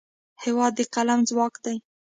هېواد د قلم ځواک دی.